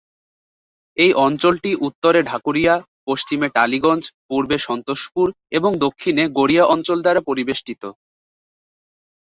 এই অঞ্চল-টি উত্তরে ঢাকুরিয়া, পশ্চিমে টালিগঞ্জ, পূর্বে সন্তোষপুর এবং দক্ষিণে গড়িয়া অঞ্চল দ্বারা পরিবেষ্টিত।